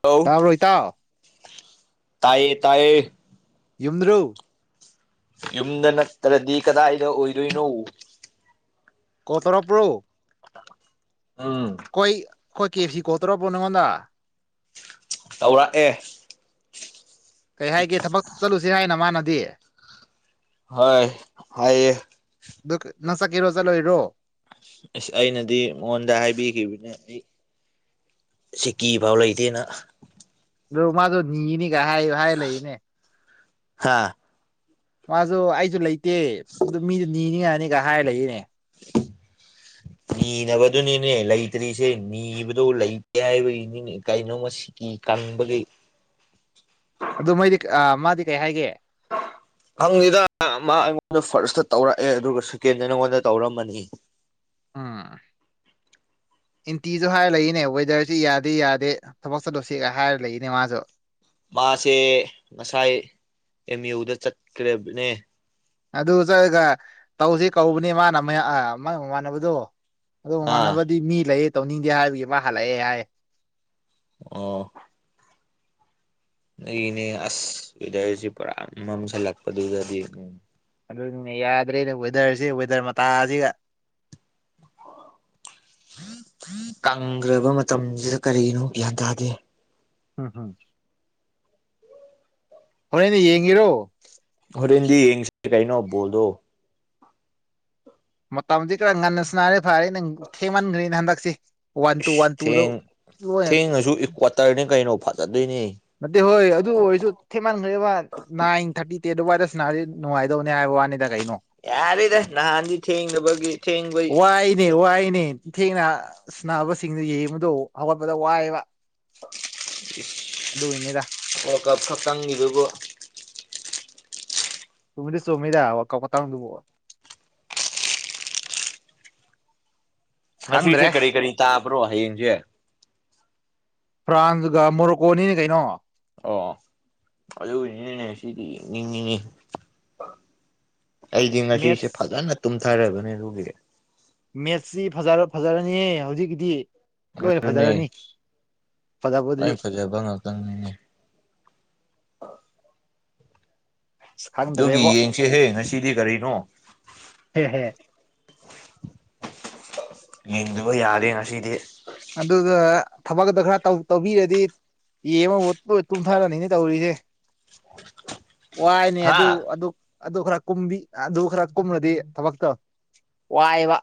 Hello ꯇꯥꯕꯔꯣ ꯏꯇꯥꯥꯎ ꯇꯥꯏꯌꯦ ꯇꯥꯏꯌꯦ ꯌꯨꯝꯗ꯭ꯔꯣ ꯌꯨꯝꯗ ꯅꯠꯇ꯭ꯔꯗꯤ ꯀꯗꯥꯏꯗ ꯑꯣꯏꯗꯣꯏꯅꯣ ꯀꯣꯛ ꯇꯧꯔꯛꯄꯔꯣ ꯎꯝ ꯈꯣꯏ ꯑꯩꯈꯣꯏ ꯀꯦ ꯑꯦꯐ ꯁꯤ ꯀꯣꯜ ꯇꯧꯔꯛꯄ꯭ꯔꯣ ꯅꯪꯉꯣꯟꯗ ꯇꯧꯔꯛꯑꯦ ꯀꯩ ꯍꯥꯏꯒꯦ ꯊꯕꯛ ꯆꯠꯂꯨꯁꯤ ꯍꯥꯏꯅ ꯃꯥꯅꯗꯤ ꯍꯣꯏ ꯍꯥꯏꯌꯦ ꯑꯗꯨ ꯅꯪ ꯆꯠꯀꯦꯔꯣ ꯆꯠꯂꯣꯏꯔꯣ ꯑꯁ ꯑꯩꯅꯗꯤ ꯃꯉꯣꯟꯗ ꯍꯥꯏꯕꯤꯈꯤꯕꯅꯦ ꯑꯩ ꯁꯤꯀꯤꯐꯥꯎ ꯂꯩꯇꯦꯅ ꯑꯗꯨ ꯃꯥꯁꯨꯅꯤꯒꯅꯤ ꯍꯥꯏ ꯍꯥꯏ ꯂꯩꯌꯦꯅꯦ ꯍꯥꯥ ꯃꯥꯁꯨ ꯑꯩꯁꯨ ꯂꯩꯇꯦ ꯑꯗꯨ ꯃꯤꯗꯨ ꯅꯤꯌꯥꯅꯤꯒ ꯍꯥꯏꯔ ꯂꯩꯏꯅꯦ [unintelligible] ꯅꯤꯅꯕꯗꯨꯅꯤꯅꯦ ꯂꯩꯇ꯭ꯔꯤꯁꯦ ꯅꯤꯕꯗꯣ ꯂꯩꯇꯦ ꯍꯥꯏꯕꯒꯤꯅꯤ ꯀꯩꯅꯣ ꯃꯁꯤ ꯀ ꯀꯪꯕꯒꯤ ꯑꯗꯨ ꯃꯣꯏꯗꯤ ꯃꯥꯗꯤ ꯀꯩ ꯍꯥꯏꯒꯦ [unintelligible] ꯍꯪꯗꯦꯗ ꯃꯥ ꯑꯩꯉꯣꯟꯗ ꯐꯥꯔꯁꯇ ꯇꯧꯔꯛꯑꯦ ꯑꯗꯨꯒ ꯁꯦꯀꯦꯟꯗ ꯅꯪꯉꯣꯟꯗ ꯇꯧꯔꯝꯃꯅꯤ ꯎꯝ ꯏꯟꯇꯤꯁꯨ ꯍꯥꯏꯔ ꯂꯩꯌꯦꯅꯦ ꯋꯦꯗꯔꯁꯤ ꯌꯥꯗꯦ ꯌꯥꯗꯦ ꯊꯕꯛ ꯆꯠꯂꯨꯁꯤ ꯍꯥꯏꯔ ꯂꯩꯌꯦꯅꯦ ꯃꯥꯖꯨ ꯃꯥꯁꯦ ꯉꯁꯥꯏ ꯑꯦꯝ ꯌꯨꯗ ꯆꯠꯈ꯭ꯔꯦꯕꯅꯦ ꯑꯗꯨ ꯆꯠꯂꯒ ꯇꯧꯁꯤ ꯀꯧꯕꯅꯦ ꯃꯥꯅ ꯃꯥꯏ ꯃꯃꯥꯟꯅꯕꯗꯨ ꯑꯗꯨ ꯑꯥ ꯃꯃꯥꯟꯅꯕꯗꯤ ꯃꯤ ꯂꯩꯌꯦ ꯇꯧꯅꯤꯡꯗꯦ ꯍꯥꯏꯕꯒꯤ ꯃꯥ ꯍꯜꯂꯛꯑꯦ ꯍꯥꯏꯌꯦ ꯑꯣ ꯂꯩꯌꯦꯅꯦ ꯑꯁ ꯋꯦꯗꯔꯁꯦ ꯄꯨꯔꯥ ꯃꯝꯁꯤꯜꯂꯛꯄꯗꯨꯗꯗꯤ ꯎꯝ ꯑꯗꯨꯅꯤꯅꯦ ꯌꯥꯗ꯭ꯔꯦꯗ ꯋꯦꯗꯔꯁꯤ ꯋꯦꯗꯔ ꯃꯇꯥꯁꯤꯒ ꯀꯪꯈ꯭ꯔꯕ ꯃꯇꯝꯁꯤꯗ ꯀꯔꯤꯒꯤꯅꯣ ꯒ꯭ꯌꯥꯟ ꯇꯥꯗꯦ ꯎꯝ ꯍꯨꯝ ꯍꯣꯔꯦꯟ ꯌꯦꯡꯒꯦꯔꯣ ꯍꯣꯔꯦꯟꯗꯤ ꯌꯦꯡꯁꯤ ꯀꯩꯅꯣ ꯕꯣꯜꯗꯣ ꯃꯇꯝꯁꯤ ꯈꯔ ꯉꯟꯅ ꯁꯅꯥꯔꯦ ꯐꯔꯦ ꯅꯪ ꯊꯦꯡꯃꯟꯈ꯭ꯔꯦꯅ ꯍꯟꯗꯛꯁꯦ ꯋꯥꯟ ꯇꯨ ꯋꯥꯟ ꯇꯨ ꯗꯣ ꯀ꯭ꯋꯥꯇꯔꯅꯦ ꯀꯩꯅꯣ ꯐꯖꯗꯣꯏꯅꯦ ꯅꯠꯇꯦ ꯍꯣꯏ ꯑꯗꯨ ꯑꯣꯏꯔꯁꯨ ꯊꯦꯃꯥꯟꯒ꯭ꯔꯦꯕ ꯅꯥꯏꯟ ꯊꯥꯔꯇꯤ ꯇꯦꯟꯇ ꯑꯗꯨꯋꯥꯏꯗ ꯁꯥꯟꯅꯔꯗꯤ ꯅꯨꯡꯉꯥꯏꯗꯧꯅꯦ ꯍꯥꯏꯕ ꯋꯥꯅꯦ ꯌꯥꯔꯦꯗ ꯅꯅꯥꯥꯟꯗꯤ ꯊꯦꯡꯗꯕꯒꯤ ꯊꯦꯡꯕꯩ ꯅꯦ ꯋꯥꯏꯅꯦ ꯊꯦꯡꯅ ꯁꯥꯅꯕꯁꯤꯡꯗꯨ ꯌꯦꯡꯕꯗ ꯍꯧꯒꯠꯄꯗ ꯋꯥꯏꯌꯦꯕ [unintelligible] ꯑꯗꯨꯒꯤꯅꯤꯗ ꯋꯥꯔ ꯀꯞ ꯈꯛꯇꯪꯒꯤꯗꯨꯕꯨ ꯆꯨꯝꯗꯤ ꯆꯨꯝꯃꯤꯗ ꯋꯥꯜ ꯀꯞ ꯃꯇꯥꯡꯗꯨꯕꯣ꯫ ꯉꯁꯤꯁꯦ ꯈꯪꯗ꯭ꯔꯦ ꯀꯔꯤ ꯀꯔꯤ ꯇꯥꯕ꯭ꯔꯣ ꯍꯌꯦꯡꯁꯦ꯫ ꯐ꯭ꯔꯥꯟꯁꯒ ꯃꯣꯔꯣꯀꯣꯅꯤꯅꯦ ꯀꯩꯅꯣ꯫ ꯑꯗꯨꯅꯦꯅꯦ ꯉꯁꯤꯗꯤ ꯌꯦꯡꯅꯤꯡꯉꯤꯍꯦ꯫ ꯑꯩꯗꯤ ꯉꯁꯤꯁꯦ ꯃꯦꯠꯁ ꯐꯖꯅ ꯇꯨꯝꯊꯔꯕꯅꯦ ꯑꯗꯨꯒꯤ ꯃꯦꯠꯁꯤ ꯐꯖ ꯐꯖꯔꯅꯤ ꯍꯧꯖꯤꯛꯀꯤꯗꯤ ꯂꯣꯏꯅ ꯑꯗꯨꯅꯦ ꯐꯖꯔꯅꯤ꯫ ꯐꯖꯕꯗꯨꯗꯤ [unintelligible] ꯐꯖꯕ ꯉꯥꯛꯇꯅꯤꯅꯦ꯫ [inaudible] ꯑꯁ ꯑꯗꯨꯒꯤ ꯈꯪꯗ꯭ꯔꯦꯕꯣ ꯌꯦꯡꯁꯦꯍꯦ ꯉꯁꯤꯗꯤ ꯀꯔꯤꯅꯣ꯫ [unintelligible] ꯌꯦꯡꯗꯕ ꯌꯥꯗꯦ ꯉꯁꯤꯗꯤ꯫ ꯑꯗꯨꯒ ꯊꯕꯛꯗ ꯈꯔ ꯇꯧꯕꯤꯔꯗꯤ ꯌꯦꯡꯕ ꯍꯧꯔꯛꯄꯒ ꯇꯨꯝꯊꯔꯅꯤꯅꯦ ꯇꯧꯔꯤꯁꯦ ꯋꯥꯏꯅꯦ ꯑꯗꯨ ꯍꯥ ꯑꯗꯨ ꯑꯗꯨ ꯈꯔ ꯀꯨꯝꯕꯤ ꯑꯗꯨ ꯈꯔ ꯀꯨꯝꯅꯗꯤ ꯊꯕꯛꯇ ꯋꯥꯏꯕ꯫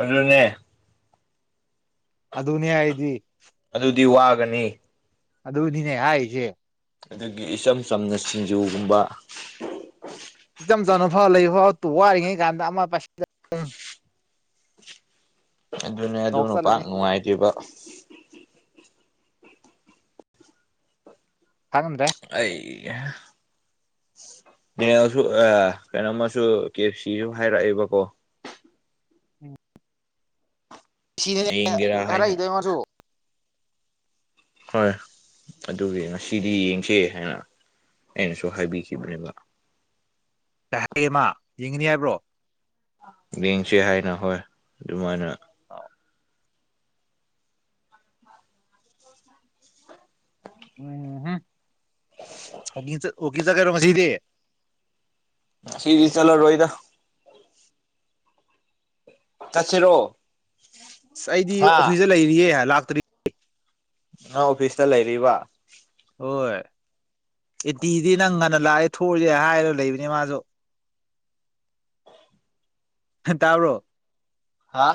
ꯑꯗꯨꯅꯦ꯫ ꯑꯗꯨꯅꯦ ꯍꯥꯏꯗꯤ ꯑꯗꯨꯗꯤ ꯋꯥꯒꯅꯤ꯫ ꯑꯗꯨꯗꯤꯅꯦ ꯍꯥꯏꯔꯤꯖꯦ꯫ ꯑꯗꯒꯤ ꯏꯆꯝ ꯆꯝꯅ ꯁꯤꯡꯖꯨꯒꯨꯝꯕ ꯏꯆꯝ ꯆꯅ ꯐꯥꯎ ꯂꯩ ꯐꯥꯎ ꯇ ꯋꯥꯔꯤꯔꯤꯉꯩ ꯀꯥꯟꯗ ꯑꯃ ꯄꯥꯏꯁꯤꯜꯂꯛꯀꯅꯨ ꯑꯗꯨꯅꯦ ꯑꯗꯨ ꯅꯣꯛ ꯄꯥꯛ ꯆꯠꯂꯅꯤ ꯅꯨꯡꯉꯥꯏꯗꯣꯏꯕ꯫ ꯈꯪꯗ꯭ꯔꯦ꯫ ꯑꯩ [unintelligible] [unintelligible] ꯀꯩꯅꯣꯃꯁꯨ ꯀꯦꯞ ꯁꯤꯁꯨ ꯍꯥꯏꯔꯛꯑꯦꯕꯀꯣ ꯌꯦꯡꯒꯦꯔꯥ ꯍꯥꯏꯅ [unintelligible] ꯃꯁꯨ ꯍꯣꯏ ꯑꯗꯨꯒꯤ ꯉꯁꯤꯗꯤ ꯌꯦꯡꯁꯦ ꯍꯥꯏꯅ ꯑꯩꯅꯁꯨ ꯍꯥꯏꯕꯤꯈꯤꯕꯅꯦꯕ꯫ ꯀꯩ ꯍꯥꯏꯒꯦ ꯃꯥ ꯌꯦꯡꯅꯤ ꯍꯥꯏꯕ꯭ꯔꯣ꯫ ꯌꯦꯡꯁꯤ ꯍꯥꯏꯅ ꯍꯣꯏ ꯑꯗꯨꯃꯥꯏꯅ ꯑꯥꯎ ꯎꯝ ꯍꯨꯝ ꯑꯣ ꯑꯣꯀꯦ ꯆꯠꯀꯗ꯭ꯔꯥ ꯉꯁꯤꯗꯤ꯫ ꯉꯁꯤꯗꯤ ꯆꯠꯂꯔꯣꯢꯗ꯫ ꯆꯠꯁꯤꯔꯣ꯫ ꯑꯁ ꯑꯩꯗꯤ ꯍꯥ ꯑꯣꯐꯤꯁꯇ ꯂꯩꯔꯤꯌꯦ ꯂꯥꯛꯇ꯭ꯔꯤ꯫ ꯅꯪ ꯑꯣꯐꯤꯁꯇ ꯂꯩꯔꯤꯕ ꯍꯣꯏ ꯑꯣꯄꯤꯗꯤ ꯅꯪ ꯉꯟꯅ ꯂꯥꯛꯑꯦ ꯊꯣꯛꯑꯖꯦ ꯍꯥꯏꯔꯒ ꯂꯩꯕꯅꯤ ꯃꯥꯁꯨ꯫ [unintelligible] ꯇꯥꯥꯕꯔꯣ꯫ ꯍꯥ꯫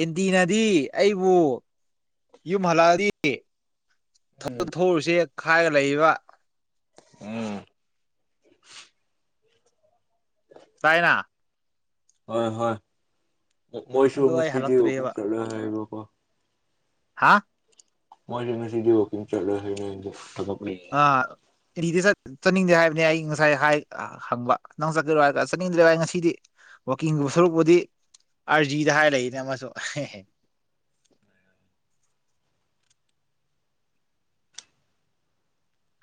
ꯑꯦꯟꯇꯅꯗꯤ ꯑꯩꯕꯨ ꯌꯨꯝ ꯍꯜꯂꯛꯑꯗꯤ ꯎꯝ ꯊꯕꯛ ꯊꯧꯁꯤꯦ ꯈꯥꯏꯔ ꯂꯩꯔꯤꯕꯕ ꯎꯝ [inaudible] ꯆꯥꯏꯅꯥ ꯍꯣꯏ ꯍꯣꯏ ꯃꯣꯏꯁꯨ ꯑꯗꯣ ꯑꯩ ꯉꯁꯤꯗꯤ ꯑꯣꯄꯨꯡ ꯍꯜꯂꯛꯇ꯭ꯔꯦꯕ ꯆꯠꯂꯣꯏ ꯍꯥꯏꯕꯀꯣ ꯍꯥ ꯃꯣꯏ ꯉ ꯁꯤꯗꯤ ꯋꯥꯣꯀꯤꯡ ꯆ ꯍꯥꯏ ꯐ ꯑ ꯏꯗꯤ ꯁꯔ ꯆꯠꯅꯤꯡꯗꯦ ꯍꯥꯏꯕꯅꯤ ꯑꯩ ꯉꯁꯥꯏ ꯍꯥꯏ ꯍꯪꯕ ꯅꯪ ꯆꯠꯀꯦꯔꯣ ꯍꯥꯏꯔ ꯆꯠꯅꯤꯡꯗ꯭ꯔꯦꯒ ꯑꯩ ꯉꯁꯤꯗꯤ ꯋꯥꯋꯀꯤꯡꯒꯨꯝꯕ ꯁꯔꯨꯛꯄꯨꯗꯤ ꯑꯥꯔꯖꯤꯗ ꯍꯥꯏꯔ ꯂꯩꯅꯦ ꯑꯃꯁꯨ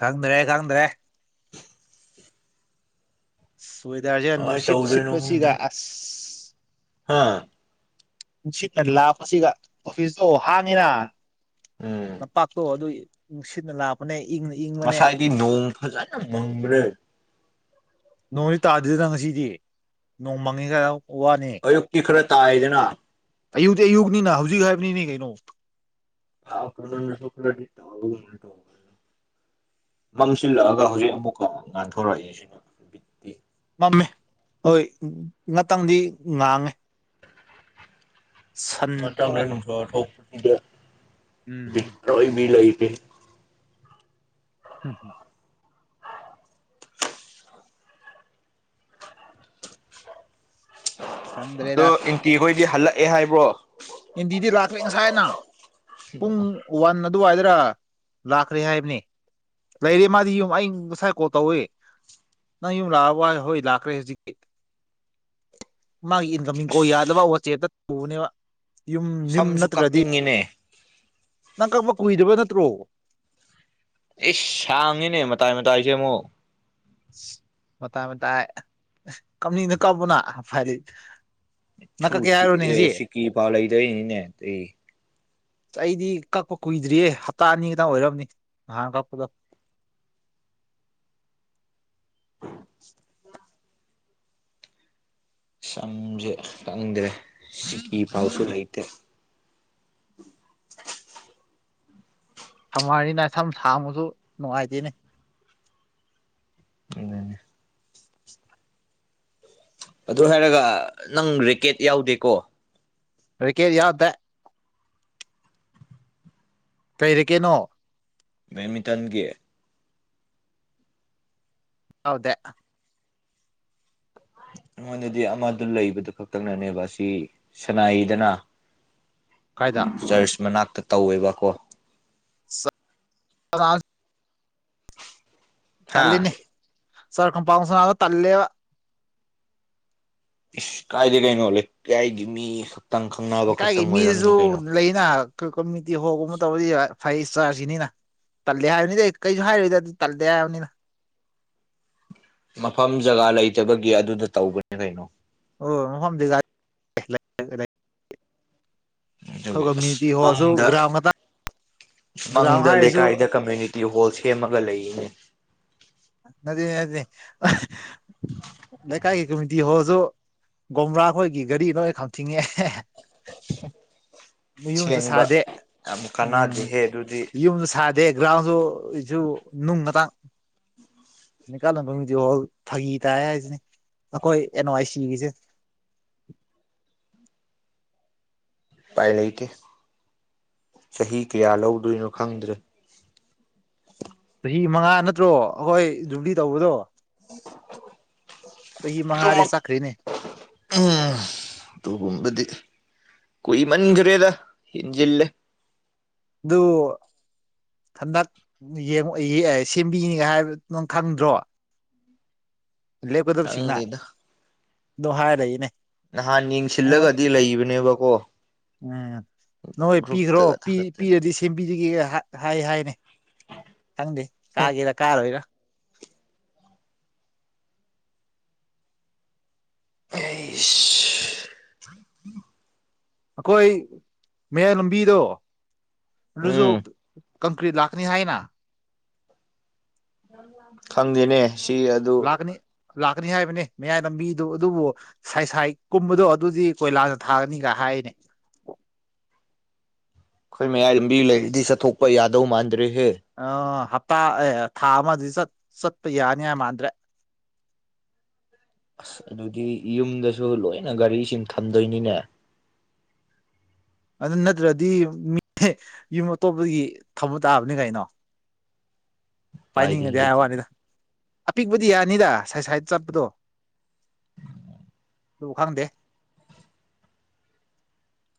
ꯈꯪꯗ꯭ꯔꯦ ꯈꯪꯗ꯭ꯔꯦ ꯁꯣꯏꯗꯥꯔꯁꯦ ꯀꯃꯥꯏ ꯅꯨꯡꯁꯤꯠ ꯇꯧꯗꯣꯏꯅꯣ ꯈꯪꯗꯦ ꯁꯤꯠꯄꯁꯤꯒ ꯑꯁ ꯍꯥ ꯅꯨꯡꯁꯤꯠꯅ ꯂꯥꯛꯄꯁꯤꯒ ꯑꯣꯐꯤꯁꯇꯣ ꯍꯥꯡꯉꯤꯅ ꯎꯝ ꯂꯝꯄꯥꯛꯇꯣ ꯑꯗꯨꯒꯤ ꯏꯪ ꯁꯤꯠꯅ ꯂꯥꯛꯄꯅꯦ ꯏꯪꯅꯤ ꯉꯁꯥꯏꯗꯤ ꯅꯣꯡ ꯐꯖꯅ ꯃꯪꯕ꯭ꯔꯦ ꯅꯣꯡꯗꯤ ꯇꯥꯗꯗꯅ ꯉꯁꯤꯗꯤ ꯅꯣꯡꯃꯥꯡꯉꯤ ꯀ ꯋꯥꯅꯤ ꯑꯌꯨꯛꯇꯤ ꯈꯔ ꯇꯥꯏꯗꯅ ꯑꯌꯨꯛꯇꯤ ꯑꯌꯨꯛꯅꯤꯅ ꯍꯧꯖꯤꯛ ꯍꯥꯏꯕꯅꯤꯅꯦ ꯀꯩꯅꯣ ꯄꯥꯎ ꯀꯅ ꯁ [inaudible] ꯃꯥꯡꯁꯤꯜꯂꯛꯑꯒ ꯍꯧꯖꯤꯛ ꯑꯃꯨꯛꯀ ꯉꯥꯟꯊꯣꯔꯛꯏꯁꯤꯅ ꯕꯤꯠꯇꯤ ꯃꯝꯃꯦ ꯍꯣꯏ ꯉꯥꯛꯇꯪꯗꯤ ꯉꯥꯡꯉꯦ ꯁꯟ ꯃ ꯇꯪꯗ ꯊꯣꯛꯂꯛꯑꯦ ꯅꯅꯨꯡꯇ ꯊꯧ ꯄꯨꯁꯤꯗꯦ ꯎꯝ ꯕꯤꯇ꯭ꯔꯣꯏ ꯃꯤ ꯂꯩꯥꯏꯁꯦ ꯍꯝ ꯍꯝ [inaudible] ꯑꯗꯣ ꯈꯪꯗ꯭ꯔꯦꯗ ꯏꯟꯇꯤꯈꯣꯏꯗꯤ ꯍꯜꯂꯛꯑꯦ ꯍꯥꯏꯕ꯭ꯔꯣ ꯑꯦꯟꯗꯤꯗꯤ ꯂꯥꯛꯈ꯭ꯔꯦ ꯉꯁꯥꯏꯅ ꯄꯨꯡ ꯋꯥꯟ ꯑꯗꯨꯋꯥꯏꯗꯔꯥ ꯂꯥꯛꯈ꯭ꯔꯦ ꯍꯥꯏꯕꯅꯤ ꯂꯩꯔꯤ ꯃꯥꯗꯤ ꯌꯨꯝ ꯑ ꯁꯥꯏꯀꯣ ꯇꯧꯏꯤ ꯅꯪ ꯂꯥꯎꯕ ꯍꯣꯏ ꯂꯥꯛꯈ꯭ꯔꯦ ꯍꯧꯖꯤꯛꯇꯤ ꯃꯥꯒꯤ ꯏꯟꯀꯝ ꯏꯡꯀꯣ ꯌꯥꯗꯕ ꯋꯥꯆꯦꯇ ꯇꯅꯦꯕ ꯌꯨꯝ ꯌꯨꯝ ꯁꯝꯁꯨ ꯅꯠꯇ꯭ꯔꯗꯤ ꯀꯛꯅꯤꯡꯉꯤꯅꯦ ꯅꯪ ꯀꯛꯄ ꯀꯨꯏꯗꯕ ꯅꯠꯇ꯭ꯔꯣ ꯑꯦ ꯁꯥꯡꯉꯤꯅꯦ ꯃꯇꯥꯏ ꯃꯇꯥꯏꯁꯦ ꯑꯃꯨꯛ ꯃꯇꯥꯏ ꯃꯇꯥꯏ ꯀꯝꯅꯤꯡꯅ ꯀꯕꯅ ꯐꯗꯤ ꯅꯥꯀꯛ ꯀ ꯍꯥꯏꯔꯣ ꯅꯤꯡꯁꯤ ꯀꯤ ꯄꯥ ꯂꯩꯗꯣꯏꯔꯤꯅꯤꯅꯦ ꯑꯇꯩ ꯑꯩꯗꯤ ꯀꯛꯄ ꯀꯨꯏꯗ꯭ꯔꯤꯌꯦ ꯍꯞꯇꯥ ꯑꯅꯤ ꯈꯛꯇꯪ ꯑꯣꯏꯔꯝꯅꯤ ꯅꯍꯥꯟ ꯀꯛꯄꯗ [unintelligible] ꯁꯝꯁꯦ ꯈꯪꯗ꯭ꯔꯦ ꯁꯤꯀꯤ ꯄꯥꯎꯁꯨ ꯂꯩꯇꯦ ꯁꯝꯅꯔꯤꯅ ꯁꯝ ꯁꯥꯡꯕꯁꯨ ꯅꯨꯡꯉꯥꯏꯇꯦꯅꯦ ꯎꯅꯦ [inaudible] ꯑꯗꯨ ꯍꯥꯏꯔꯒ ꯅꯪ ꯔꯦꯀꯦꯠ ꯌꯥꯎꯗꯦꯀꯣ ꯔꯦꯀꯦꯠ ꯌꯥꯎꯗꯦ ꯀꯩ ꯔꯦꯀꯦꯠꯅꯣ ꯕꯦꯠ ꯃꯤꯇꯟꯒꯤ ꯍꯥꯎꯗꯦ ꯑꯩꯉꯣꯟꯗꯗꯤ ꯑꯃꯗꯨ ꯂꯩꯕꯗꯨ ꯈꯛꯇꯪꯅꯅꯦꯕ ꯑꯁꯤ ꯁꯅꯥꯏꯗꯅ ꯀꯥꯏꯗ ꯆꯔꯆ ꯃꯅꯥꯛꯇ ꯇꯧꯋꯦꯕꯀꯣ [inaudible] ꯍꯥ ꯇꯜꯂꯤꯅꯦ ꯅꯨꯄꯥ ꯃꯆꯥꯗꯣ ꯇꯟꯂꯦꯕ ꯏꯁ! ꯀꯥꯏꯗꯦ ꯀꯩꯅꯣ ꯂꯩꯀꯥꯏꯗꯤ ꯃꯤ ꯈꯛꯇꯪ ꯈꯪꯅꯕ ꯂꯩꯀꯥꯏꯒꯤ ꯈꯛꯇꯪ ꯑꯣꯏꯔꯝꯅꯤ ꯃꯤꯗꯨꯁꯨ ꯀꯩꯅꯣ꯫ ꯂꯩꯅ ꯀꯃꯨꯅꯤꯇꯤ ꯍꯣꯜꯒꯨꯝꯕ ꯇꯧꯔꯗꯤ ꯐꯥꯏ [inaudible] ꯇꯜꯂꯦ ꯍꯥꯏꯕꯅꯤꯗꯤ ꯑꯩ ꯀꯩꯁꯨ ꯍꯥꯏꯔꯣꯏꯗ ꯑꯗꯨꯗꯤ ꯇꯜꯂꯦ ꯍꯥꯏꯕꯅꯤꯅ꯫ ꯃꯐꯝ ꯖꯒꯥ ꯂꯩꯇꯕꯒꯤ ꯑꯗꯨꯗ ꯇꯧꯕꯅꯦ ꯀꯩꯅꯣ꯫ ꯑꯣ ꯃꯐꯝꯗꯤ [inaudible] ꯑꯗꯨꯒꯤ ꯑꯁ ꯀꯝꯃ꯭ꯌꯨꯅꯤꯇꯤ ꯍꯣꯜꯁꯨ ꯃꯪꯗ ꯒ꯭ꯔꯥꯎꯟ ꯉꯥꯛꯇ ꯒ꯭ꯔꯥꯎꯟ ꯃꯪꯗ ꯍꯥꯏꯔꯁꯨ ꯂꯩꯀꯥꯏꯗ ꯀꯝꯃ꯭ꯌꯨꯅꯤꯇꯤ ꯇꯤꯍꯣꯜ ꯁꯦꯝꯃꯒ ꯂꯩꯌꯦꯅꯦ꯫ ꯅꯗꯦ ꯅꯗꯦ [inaudible] ꯂꯩꯀꯥꯏꯒꯤ ꯀꯝꯃꯨꯅꯤꯇꯤ ꯍꯣꯜꯁꯨ ꯒꯣꯕ꯭ꯔꯥ ꯈꯈꯣꯏꯒꯤ ꯒꯥꯔꯤ ꯅꯣꯏ ꯈꯝ ꯊꯤꯡꯉꯦ ꯍꯦ ꯍꯦ꯫ [unintelligible] ꯃꯌꯨꯝꯁꯨ ꯁꯦꯡꯕ ꯁꯥꯗꯦ ꯌꯥꯝ ꯎꯝ ꯀꯥꯟꯅꯗꯦꯍꯦ ꯑꯗꯨꯗꯤ ꯌꯨꯝꯁꯨ ꯁꯥꯗꯦ꯫ ꯒ꯭ꯔꯥꯎꯁꯨ ꯑꯩꯁꯨ ꯅꯨꯡ ꯉꯥꯛꯇ꯫ ꯅꯤꯀꯥꯜꯐꯝꯒꯤꯗꯤ ꯍꯣꯜ ꯐꯥꯒꯤ ꯇꯥꯏ ꯍꯥꯏꯁꯤꯅꯦ ꯑꯩꯈꯣꯏ ꯑꯦꯟꯋꯥꯥꯏ ꯁꯤꯈꯤꯁꯦ꯫ ꯎꯄꯥꯏ ꯂꯩꯇꯦ ꯆꯍꯤ ꯀꯌꯥ ꯂꯧꯗꯣꯏꯅꯣ ꯈꯪꯗ꯭ꯔꯦ꯫ ꯆꯍꯤ ꯃꯉꯥ ꯅꯠꯇ꯭ꯔꯣ ꯑꯩꯈꯣꯏ ꯖꯨꯕ꯭ꯂꯤ ꯇꯧꯕꯗꯣ꯫ [inaudible] ꯆꯍꯤ ꯃꯉꯥꯥꯗꯤ ꯑꯗꯨꯃꯛ ꯆꯠꯈ꯭ꯔꯦꯅꯦ꯫ ꯎꯝ ꯇꯨꯒꯨꯝꯕꯗꯤ꯫ ꯀꯨꯏ ꯃꯟꯒ꯭ꯔꯦꯗ ꯏꯟꯖꯤꯜꯂꯦ꯫ ꯗꯨ꯫ ꯍꯟꯗꯛ ꯁꯦꯝꯕꯤꯅꯤ ꯍꯥꯏꯕꯗ ꯈꯪꯗ꯭ꯔꯣ ꯂꯦꯞꯀꯗꯕꯁꯤꯡꯅ ꯈꯪꯗꯦꯗ ꯑꯗꯨꯝ ꯍꯥꯏꯔ ꯂꯥꯏꯅꯦ꯫ ꯅꯍꯥꯟ ꯌꯦꯡꯁꯤꯜꯂꯒꯗꯤ ꯂꯩꯕꯅꯦꯕꯀꯣ꯫ ꯎꯝ ꯅꯣꯏ ꯄꯤꯒ꯭ꯔꯣ ꯒ꯭ꯔꯨꯞꯇꯒ ꯄꯤ ꯊꯥꯒꯠꯇꯅ ꯄꯤꯔꯗꯤ ꯕꯤꯔꯒꯦ ꯍꯥꯏ ꯍꯥꯏꯅꯦ ꯈꯪꯗꯦ ꯀꯥꯒꯦꯔ ꯀꯥꯔꯣꯏꯔꯥ ꯇꯩꯁ꯫ ꯑꯈꯣꯏ ꯃꯌꯥꯏ ꯂꯝꯕꯤꯗꯣ ꯑꯗꯨꯁꯨ ꯎꯝ ꯀꯪꯀ꯭ꯔꯤꯠ ꯂꯥꯛꯀꯅꯤ ꯍꯥꯏꯅ꯫ ꯈꯪꯗꯦꯅꯦ꯫ ꯁꯤ ꯑꯗꯨ ꯂꯥꯛꯀꯅꯤ ꯂꯥꯛꯀꯅꯤ ꯍꯥꯏꯕꯅꯤ ꯃꯌꯥꯏ ꯂꯝꯕꯤꯗꯨ ꯑꯗꯨꯕꯨ ꯁꯥꯏꯁꯥꯏ ꯀꯨꯝꯕꯗꯣ ꯑꯗꯨꯗꯤ ꯀꯣꯏꯂꯥꯁꯅ ꯊꯥꯒꯅꯤꯒ ꯍꯥꯏꯅꯦ꯫ ꯑꯈꯣꯏ ꯃꯌꯥꯏ ꯂꯝꯕꯤ ꯂꯩꯔꯤꯗꯤ ꯆꯠꯊꯣꯛꯄ ꯌꯥꯗꯧ ꯃꯥꯟꯗ꯭ꯔꯦꯍꯦ꯫ ꯑ ꯍꯞꯇꯥ ꯑꯦ ꯊꯥ ꯑꯃꯗꯤ ꯆ ꯆꯠꯄ ꯌꯥꯅꯤ ꯍꯥꯏ ꯃꯥꯟꯗ꯭ꯔꯦ꯫ ꯑꯁ ꯑꯗꯨꯗꯤ ꯌꯨꯝꯗꯁꯨ ꯂꯣꯏꯅ ꯒꯥꯔꯤꯁꯤꯡ ꯊꯝꯗꯣꯏꯅꯤꯅꯦ꯫ ꯑꯗꯨ ꯅꯠꯇ꯭ꯔꯗꯤ ꯃꯤ ꯌꯨꯝ ꯑꯇꯣꯞꯄꯗꯒꯤ ꯊꯝꯕ ꯇꯥꯕꯅꯤ ꯀꯩꯅꯣ꯫ [inaudible] ꯎꯄꯥꯏꯗꯤ ꯄꯥꯏꯅꯤꯡꯉꯗꯤ ꯍꯥꯏ ꯂꯩꯇꯦꯅꯦ ꯋꯥꯅꯤꯗ ꯑꯄꯤꯛꯄꯗꯤ ꯌꯥꯅꯤꯗ ꯁꯥꯏꯠ ꯁꯥꯏꯗ ꯆꯠꯄꯗꯣ꯫ ꯗꯨ ꯈꯪꯗꯦ꯫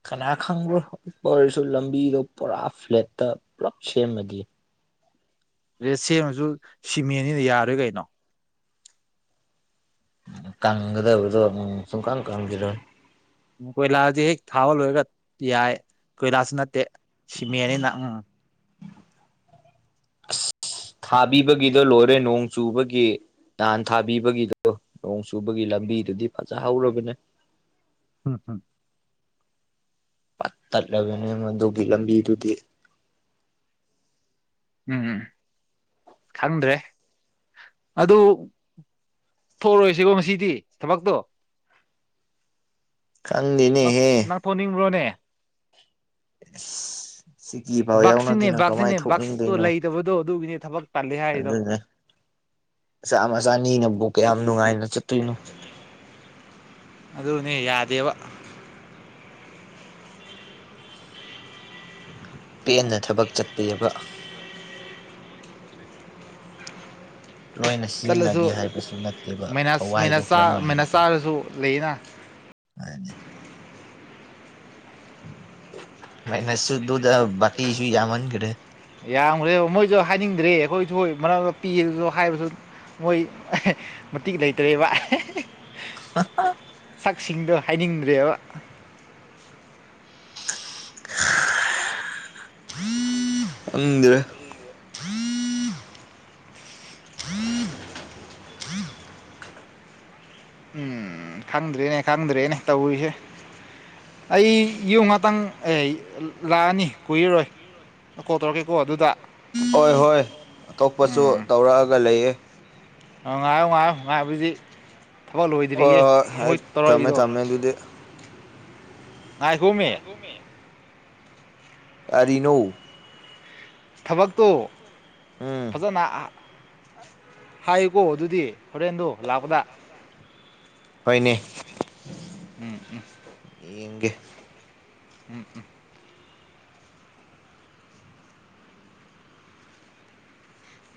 ꯀꯅꯥ ꯈꯪꯕ꯭ꯔꯣ ꯈ ꯑꯣꯏꯔꯁꯨ ꯂꯝꯕꯤꯗꯣ ꯄꯨꯔꯥ ꯐ꯭ꯂꯦꯠꯇ ꯄꯨꯂꯞ ꯁꯦꯝꯃꯗꯤ꯫ ꯔꯦ ꯁꯦꯝꯃꯁꯨ ꯁꯤꯃꯦꯟꯅꯤꯅ ꯌꯥꯔꯣꯏ ꯀꯩꯅꯣ꯫ ꯀꯪꯒꯗꯕꯗꯣ ꯑꯃ ꯁꯨꯡꯀꯪ ꯀꯪꯒꯤꯗꯕꯅꯤ꯫ ꯎ ꯀꯣꯏꯂꯥꯁꯥꯁ ꯍꯦꯛ ꯊꯥꯕ ꯂꯣꯏꯔꯒ ꯌꯥꯏ ꯀꯣꯏꯂꯥꯁꯁꯨ ꯅꯠꯇꯦ ꯁꯤꯃꯦꯦꯟꯅꯤꯅ ꯎꯝ ꯊꯥꯕꯤꯕꯒꯤꯗꯣ ꯂꯣꯏꯔꯦ ꯅꯣꯡ ꯆꯨꯕꯒꯤ꯫ ꯅꯍꯥꯟ ꯊꯥꯕꯤꯕꯒꯤꯗꯣ ꯅꯣꯡ ꯆꯨꯕꯒꯤ ꯂꯝꯕꯤꯗꯨꯗꯤ ꯐꯖꯍꯔꯕꯅꯦ꯫ ꯎꯝ ꯊꯝ [inaudible] ꯄꯠ ꯇꯠꯂꯕꯅꯦ ꯃꯗꯨꯒꯤ ꯂꯝꯕꯤꯗꯨꯗꯤ꯫ ꯎꯝ ꯎꯝ ꯈꯪꯗ꯭ꯔꯦ ꯑꯗꯨ ꯊꯣꯛꯔꯣꯏꯁꯤꯀꯣ ꯉꯁꯤꯗꯤ ꯊꯕꯛꯇꯣ꯫ ꯈꯪꯗꯦꯅꯦꯍꯦ ꯅꯪ ꯊꯣꯛꯅꯤꯡꯕ꯭ꯔꯣꯅꯦ꯫ ꯁꯤꯀꯤ ꯐꯥꯎ ꯕꯛꯁꯤꯅꯦ ꯌꯥꯎꯅꯗꯅ ꯕꯥꯛꯁꯤꯅꯦ ꯀꯃꯥꯏꯅ ꯕꯁꯇꯣ ꯂꯩꯇꯕꯗꯣ ꯑꯗꯨꯒꯤꯅꯦ ꯊꯕꯛ ꯇꯜꯂꯦ ꯍꯥꯏꯔꯤꯗꯣ ꯑꯗꯨꯅꯦ ꯃꯆꯥ ꯃꯆꯥꯅꯤꯅꯕꯨ ꯀꯌꯥꯝ ꯅꯨꯡꯉꯥꯏꯅ ꯆꯠꯇꯣꯏꯅꯣ꯫ ꯑꯗꯨꯅꯦ ꯌꯥꯗꯦꯕ꯫ ꯄꯦꯟꯅ ꯊꯕꯛ ꯆꯠꯄꯤꯕ ꯂꯣꯏꯅ ꯆꯠꯂꯁꯨ ꯁꯤꯖꯤꯟꯅꯒꯦ ꯍꯥꯏꯕꯁꯨ ꯅꯠꯇꯦꯕ ꯊꯋꯥꯏꯗꯣ ꯈꯔ ꯃꯅꯥꯁ ꯆꯥꯔꯁꯨ ꯂꯩꯌꯦꯅ ꯍꯥꯏꯅꯦ꯫ ꯃꯥꯏꯅꯁꯁꯨꯗ ꯀꯤ ꯏꯁꯨ ꯌꯥꯃꯅꯤ ꯀꯔꯦ꯫ ꯌꯥꯝꯈ꯭ꯔꯦꯕ ꯃꯣꯏꯁꯨ ꯍꯥꯏꯅꯤꯡꯗ꯭ꯔꯦ ꯑꯩꯈꯣꯏ ꯏꯁꯨ ꯃꯔꯛꯛꯇ ꯄꯤꯕꯗꯁꯨ ꯍꯥꯏꯕꯁꯨ ꯃꯣꯏ ꯃꯇꯤꯛ ꯂꯩꯇ꯭ꯔꯦꯕ [unintelligible] ꯁꯛꯁꯤꯡꯗꯣ ꯍꯥꯏꯅꯤꯡꯗ꯭ꯔꯦꯕ꯫ ꯈꯪꯗꯔꯦ꯫ ꯎꯝ ꯈꯪꯗ꯭ꯔꯦꯅꯦ ꯈꯪꯗ꯭ꯔꯦꯅꯦ ꯇꯧꯔꯤꯁꯦ ꯑꯩ ꯌꯨꯝ ꯉꯥꯛꯇꯪ ꯂꯥꯛꯑꯅꯤ ꯀꯨꯏꯔꯔꯣꯏ ꯀꯣ ꯇꯧꯔꯛꯀꯦꯀꯣ ꯑꯗꯨꯗ ꯍꯣꯏ ꯍꯣꯏ ꯑꯇꯣꯞꯄꯁꯨ ꯇꯧꯔꯛꯑꯒ ꯂꯩꯌꯦ ꯉꯥꯏꯣ ꯉꯥꯏꯔꯣ ꯉꯥꯏꯕꯨꯗꯤ ꯊꯕꯛ ꯂꯣꯏꯗ꯭ꯔꯤꯌꯦ ꯃꯣꯏ ꯇꯧꯔꯛꯏꯗꯣ ꯃꯗꯨꯗ ꯉꯥꯏꯈꯣꯃꯤ ꯀꯔꯤꯅꫭ ꯊꯕꯛꯇꯣ ꯎꯝ ꯐꯖꯅ ꯍꯥꯏꯌꯨꯀꯣ ꯑꯗꯨꯗꯤ ꯍꯣꯔꯦꯟꯗꯣ ꯂꯥꯛꯄꯗ ꯍꯣꯏꯅꯦ ꯎꯝ ꯎꯝ ꯌꯦꯡꯒꯦ ꯎꯝ ꯎꯝ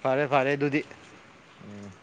ꯐꯔꯦ ꯐꯔꯦ ꯑꯗꯨꯗꯤ ꯎꯝ